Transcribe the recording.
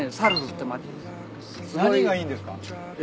何がいいんですか？